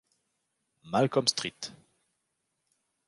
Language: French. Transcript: Malcolm St.